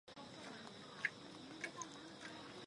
宜嫔死后与儿子同葬孝昌园。